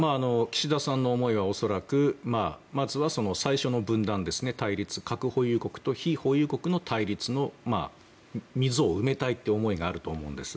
岸田さんの思いは恐らくまずは最初の分断、対立核保有国と非保有国の対立溝を埋めたいという思いがあると思うんです。